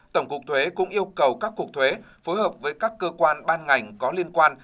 tổng cục thuế cũng yêu cầu các cục thuế phối hợp với các cơ quan ban ngành có liên quan